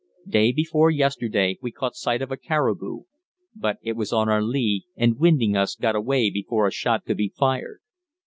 Day before yesterday we caught sight of a caribou, but it was on our lee, and winding us got away before a shot could be fired.